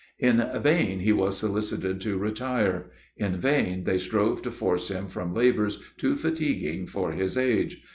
In vain he was solicited to retire; in vain they strove to force him from labors too fatiguing for his age.